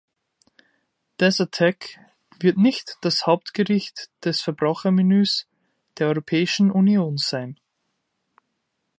Desertec wird nicht das Hauptgericht des Verbrauchermenüs der Europäischen Union sein.